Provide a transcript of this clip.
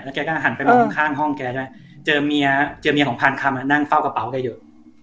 แล้วแกก็หันไปข้างห้องแกนะเจอเมียของพานคำนั่งเฝ้ากระเป๋ากันอยู่